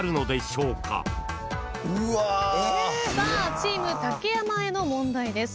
チーム竹山への問題です。